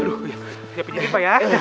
aduh ya siapin diri pak ya